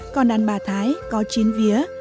còn đàn bà thái có chín vía